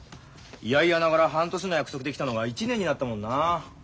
嫌々ながら半年の約束で来たのが１年になったもんな。